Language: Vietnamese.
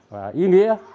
và ý nghĩa